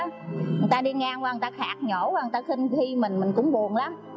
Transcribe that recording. người ta đi ngang qua người ta khác nhổ người ta khinh khi mình mình cũng buồn lắm